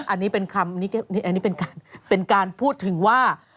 อันนี้เป็นคำนี้อันนี้เป็นการพูดถึงว่า